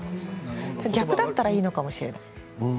逆だったらいいのかもしれません。